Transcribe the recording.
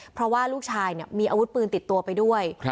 เพราะว่าลูกชายมีอาวุธปืนติดตัวไปด้วย